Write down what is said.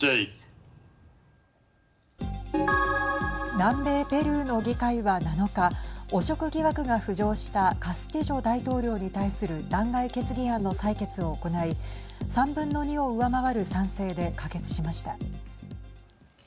南米ペルーの議会は７日汚職疑惑が浮上したカスティジョ大統領に対する弾劾決議案の採決を行い３分の２を上回る賛成で可決しました。